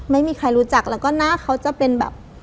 ไม่มีใครรู้จักแล้วก็หน้าเขาจะเป็นแบบ